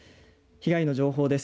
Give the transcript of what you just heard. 被害の情報です。